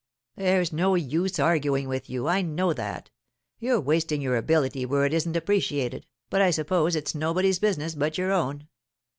'There's no use arguing with you, I know that. You're wasting your ability where it isn't appreciated, but I suppose it's nobody's business but your own.